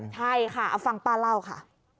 ใช่ค่ะฝั่งป้าเล่าค่ะ